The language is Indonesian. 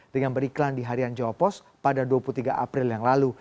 dengan beriklan di harian jawa post pada dua puluh tiga april yang lalu